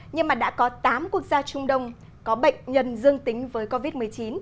nhưng mà đã có tám quốc gia trung đông có bệnh nhân dương tính với covid một mươi chín